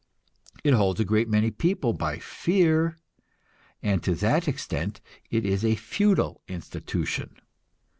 It holds a great many people by fear, and to that extent it is a feudal institution.